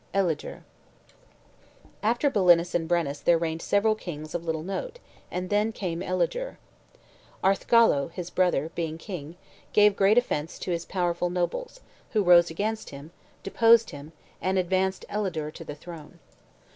ELIDURE After Belinus and Brennus there reigned several kings of little note, and then came Elidure. Arthgallo, his brother, being king, gave great offence to his powerful nobles, who rose against him, deposed him, and advanced Elidure to the throne.